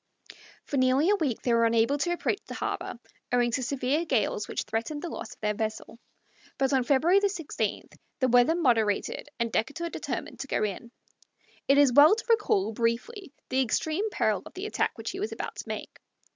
For nearly a week they were unable to approach the harbor, owing to severe gales which threatened the loss of their vessel; but on February 16 the weather moderated and Decatur determined to go in. It is well to recall, briefly, the extreme peril of the attack which he was about to make.